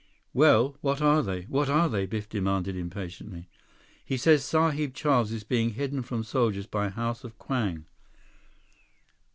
"Well, what are they? What are they?" Biff demanded impatiently. "He says Sahib Charles is being hidden from soldiers by House of Kwang."